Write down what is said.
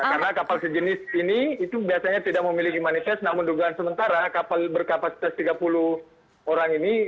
karena kapal sejenis ini itu biasanya tidak memiliki manifest namun dugaan sementara kapal berkapasitas tiga puluh orang ini